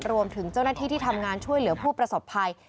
รวมถึงเจ้าหน้าที่ที่ทำงานช่วยเหลือผู้ประสบภัย